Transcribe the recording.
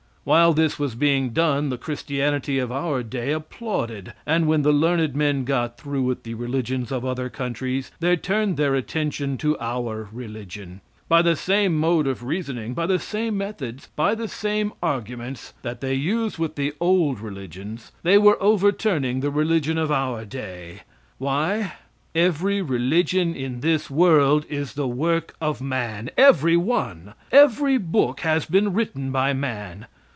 While this was being done the christianity of our day applauded, and when the learned men got through with the religions of other countries they turned their attention to our religion. By the same mode of reasoning, by the same methods, by the same arguments that they used with the old religions, they were overturning the religion of our day. Why? Every religion in this world is the work of man. Every one! Every book has been written by man.